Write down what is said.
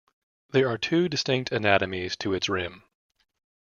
There are two distinct anatomies to its rim.